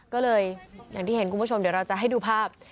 ก็เลยอย่างที่เห็นคุณผู้ชมเดี๋ยวเราจะให้ดูภาพ